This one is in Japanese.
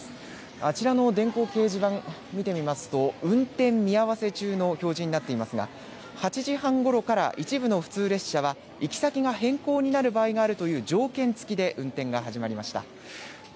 あちらの電光掲示板、見てみますと運転見合わせ中の表示になっていますが８時半ごろから一部の普通列車は行き先が変更になる場合があるという条件付きで運転が始まりました。